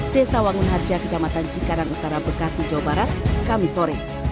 desa wangun harja kecamatan cikarang utara bekasi jawa barat kamisore